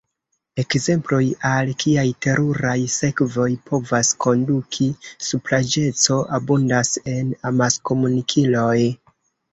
Ekzemploj, al kiaj teruraj sekvoj povas konduki supraĵeco, abundas en amaskomunikiloj.